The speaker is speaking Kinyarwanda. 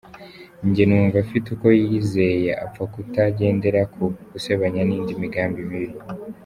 Njye numva afite uko yiyizeye, apfa kutagendera ku gusebanya n’indi migambi mibi.